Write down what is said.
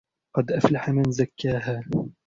قَدْ أَفْلَحَ مَنْ زَكَّاهَا